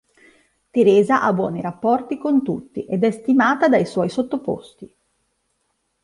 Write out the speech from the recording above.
Teresa ha buoni rapporti con tutti, ed è stimata dai suoi sottoposti.